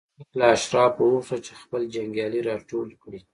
منیلیک له اشرافو وغوښتل چې خپل جنګیالي راټول کړي.